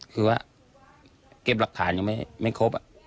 คือว่าเก็บหลักฐานยังไม่ครบ